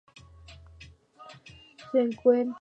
Sin embargo siempre terminar volviendo a ser pareja.